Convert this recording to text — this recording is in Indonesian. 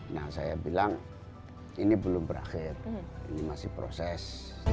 nah saya bilang ini belum berakhir ini masih proses